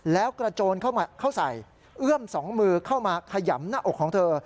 แล้วกระโจนเข้าใส่เอื้อมสองมือเข้ามาขยำหน้าอกของเธอ